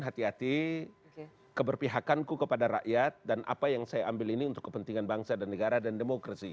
hati hati keberpihakanku kepada rakyat dan apa yang saya ambil ini untuk kepentingan bangsa dan negara dan demokrasi